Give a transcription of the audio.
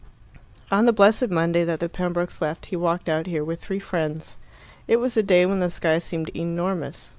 On the blessed Monday that the Pembrokes left, he walked out here with three friends. It was a day when the sky seemed enormous.